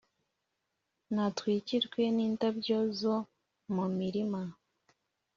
Natwikirwe n’indabyo zo mu mirima,